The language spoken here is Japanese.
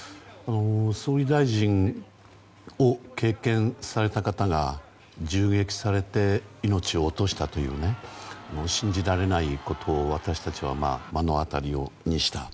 総理大臣を経験された方が銃撃されて命を落としたという信じられないことを私たちは目の当たりにした。